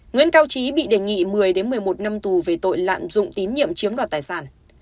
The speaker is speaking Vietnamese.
nguyễn cao trí bị đề nghị một mươi một mươi một năm tù về tội lạm dụng tín nhiệm chiếm đoạt tài sản